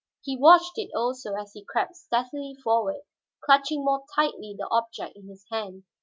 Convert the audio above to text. He watched it also as he crept stealthily forward, clutching more tightly the object in his hand.